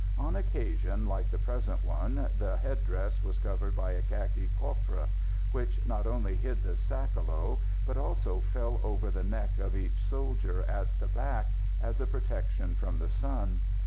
On occasions like the present one, the head dress was covered by a khaki coiffre, which not only hid the sakalo, but also fell over the neck of each soldier at the back, as a protection from the sun.